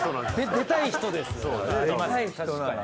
出たい人です。